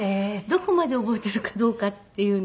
どこまで覚えているかどうかっていうのを。